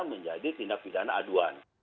menjadi tindak pidana aduan